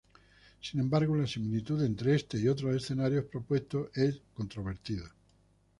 Sin embargo, la similitud entre este y otros escenarios propuestos es controvertida.